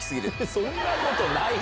そんなことないよ！